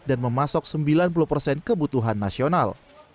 dan memasok sembilan puluh persen kebutuhan nasional